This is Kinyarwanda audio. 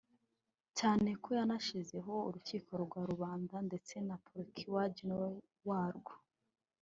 cyane ko yanashyizeho urukiko rwa Rubanda ndetse na Procureur general warwo